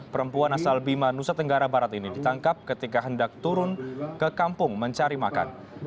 perempuan asal bima nusa tenggara barat ini ditangkap ketika hendak turun ke kampung mencari makan